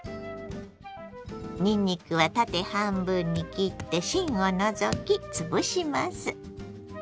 にんにくは縦半分に切って芯を除き潰します。